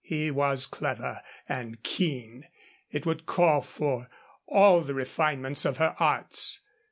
He was clever and keen. It would call for all the refinements of her arts.